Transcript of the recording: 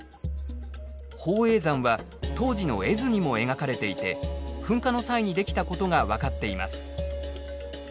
宝永山は当時の絵図にも描かれていて噴火の際にできたことが分かっています。